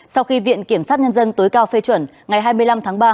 sau khi viện kiểm sát nhân dân tối cao phê chuẩn ngày hai mươi năm tháng ba